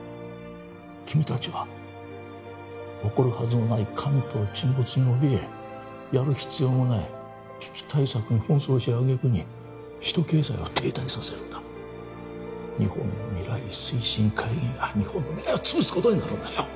君達は起こるはずもない関東沈没におびえやる必要もない危機対策に奔走し揚げ句に首都経済を停滞させるんだ日本未来推進会議が日本の未来をつぶすことになるんだよ！